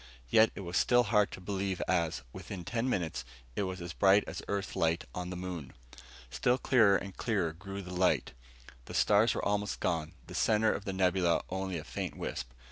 And yet it was still hard to believe as, within ten minutes, it was as bright as Earth light on the moon. Still clearer and clearer grew the light. The stars were almost gone, the center of the nebula only a faint wisp.